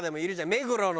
「目黒の」